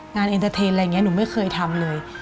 เอ็นเตอร์เทนอะไรอย่างนี้หนูไม่เคยทำเลย